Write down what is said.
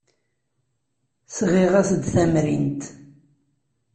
Sɣiɣ-as-d tamrint.